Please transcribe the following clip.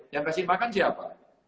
yang dikasih makan siapa